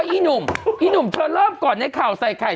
อ๋ออีหนุ่มอีหนุ่มเธอเลิกก่อนให้ข่าวใส่ไข่